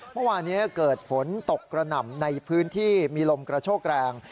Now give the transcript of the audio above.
เมื่อวานี้เกิดฝนตกกระหน่ำในพื้นที่มีลมกระโชกแรง